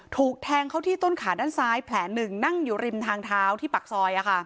ถูกแทงเข้าที่ต้นขาด้านซ้ายแผลหนึ่งนั่งอยู่ริมทางเท้าที่ปากซอย